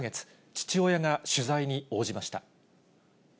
父親が取材に応じました。